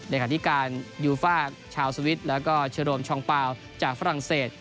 ในขณะที่การยูฟาชาวสวิสแล้วก็เชอรมชองปาวจากฝรั่งเศส